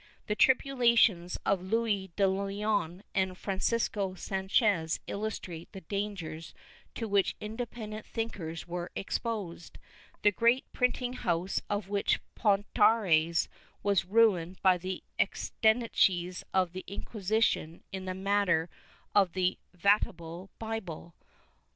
The tribulations of Luis de Leon and Francisco Sanchez illustrate the dangers to which independent thinkers were exposed; the great printing house of Portonares was ruined by the exigencies of the Inquisi tion in the matter of the Vatable Bible.